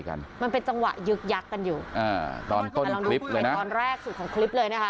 มันเป็นจังหวะยึกยักษ์กันอยู่อ่าตอนต้นแต่ลองดูคลิปในตอนแรกสุดของคลิปเลยนะคะ